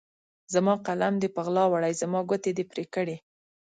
زما قلم دې په غلا وړی، زما ګوتې دي پرې کړي